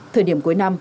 thời điểm cuối năm